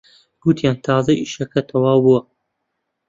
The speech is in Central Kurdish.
گوتیان تازە ئیشەکە تەواو بووە